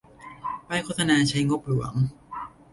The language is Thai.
ป้ายโฆษณาใช้งบหลวง